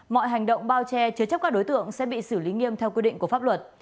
mọi hành động bao che chứa chấp các đối tượng sẽ bị xử lý nghiêm theo quy định của pháp luật